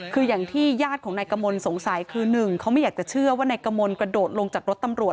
คืออย่างที่ญาติของนายกมลสงสัยคือหนึ่งเขาไม่อยากจะเชื่อว่านายกมลกระโดดลงจากรถตำรวจ